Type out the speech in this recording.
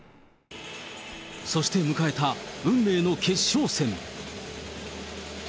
そして迎えた運命の決勝戦。